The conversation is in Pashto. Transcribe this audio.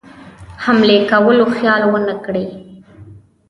حملې کولو خیال ونه کړي.